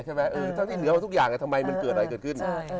เท่าที่เหลือมาทุกอย่างทำไมมันเกิดอะไรเกิดขึ้น